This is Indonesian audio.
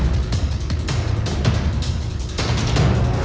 abaikan si om yang politis awas